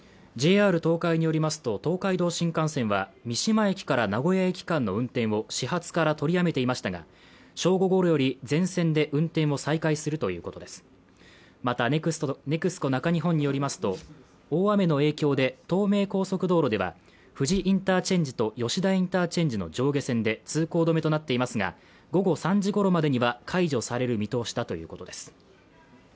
ＪＲ東海によりますと東海道新幹線は三島駅から名古屋駅間の運転を始発から取りやめていましたが正午頃より全線で運転を再開するということですまたＮＥＸＣＯ中日本によりますと大雨の影響で東名高速道路では富士インターチェンジと吉田インターチェンジの上下線で通行止めとなっていますが午後３時ごろまでには解除される見通しだということです